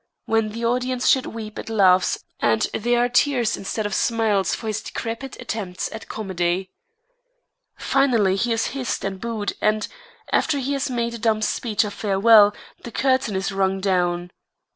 When the audience should weep it laughs and there are tears instead of smiles for his decrepit attempts at comedy. Finally, he is hissed and booed and, after he has made a dumb speech of farewell, the curtain is rung down.